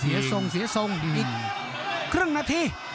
เสียล่องเสียล่องอีกครึ่งนาที